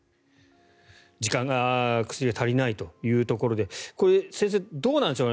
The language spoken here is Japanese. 薬が足りないというところで先生、どうなんでしょう